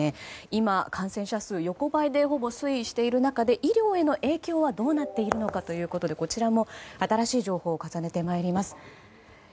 今、感染者数は横ばいでほぼ推移しているわけですが医療への影響はどうなっているのかということでこちらも新しい情報を重ねてまいります。